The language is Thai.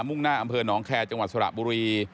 ่งหน้าอำเภอหนองแคร์จังหวัดสระบุรี